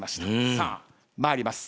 さあ参ります。